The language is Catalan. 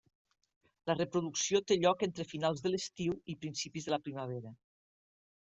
La reproducció té lloc entre finals de l'estiu i principis de la primavera.